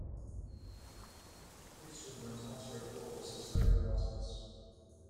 Houston went on to record as a solo artist.